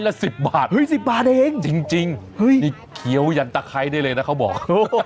ไก่สิบบาทเฮ้ยสิบบาทเองจริงคี้ยตะไคร้ได้เลยนะเขาบอก